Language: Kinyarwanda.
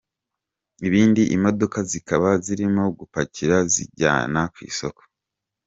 Ibindi imodoka zikaba zirimo gupakira zijyana ku isoko.